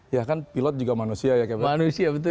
ya kan pilot juga manusia ya captain